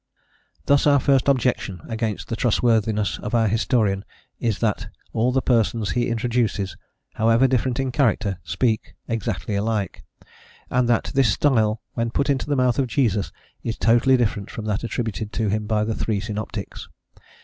* Alford. Thus our first objection against the trustworthiness of our historian is that all the persons he introduces, however different in character, speak exactly alike, and that this style, when put into the mouth of Jesus, is totally different from that attributed to him by the three synoptics.